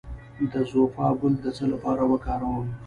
د زوفا ګل د څه لپاره وکاروم؟